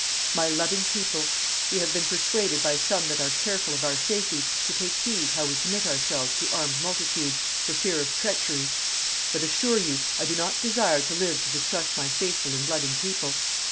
"My loving people; we have been persuaded by some that are careful of our safety, to take heed how we commit ourselves to armed multitudes, for fear of treachery; but, assure you, I do not desire to live to distrust my faithful and loving people.